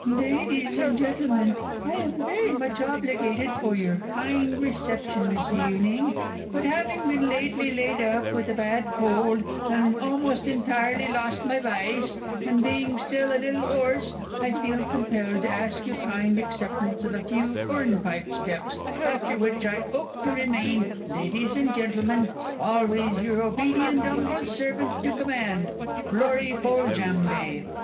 Ladies and Gentlemen, I am very much obliged for your kind reception this evening, but having been lately laid up with a bad cold, and almost entirely lost my vice, and being still a little 'orse, I feel compelled to ask your kind acceptance of a few 'ornpipe steps, after which I 'ope to remain, Ladies and Gentlemen, always your obedient 'umble servant to command Florrie Foljambe!